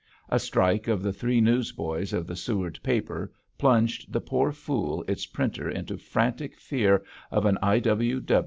A strike of the three newsboys of the Seward paper plunged the poor fool its printer into frantic fear of an I.